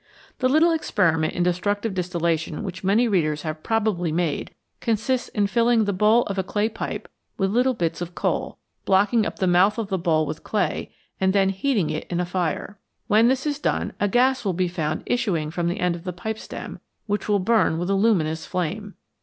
The little experiment in destructive distillation which many readers have probably made consists in filling the MORE ABOUT FUEL bowl of a clay pipe with little bits of coal, blocking up the mouth of the bowl with clay, and then heating it in a fire. When this is done, a gas will be found issuing from the end of the pipe stem, which will burn with a luminous flame.